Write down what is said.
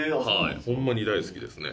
ホンマに大好きですね。